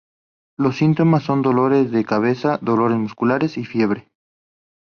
Los síntomas son dolores de cabeza, dolores musculares y fiebre.